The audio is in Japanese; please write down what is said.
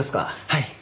はい。